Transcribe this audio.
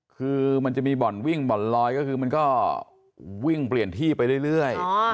คือมันจะมีบ่อนวิ่งบ่อนลอยก็คือมันก็วิ่งเปลี่ยนที่ไปเรื่อย